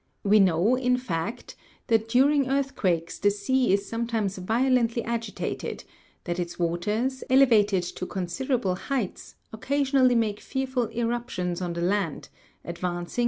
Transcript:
We know, in fact, that during earthquakes the sea is sometimes vio lently agitated, that its waters, elevated to considerable heights, occasionally make fearful irruptions on the land, advancing and 6.